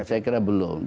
saya kira belum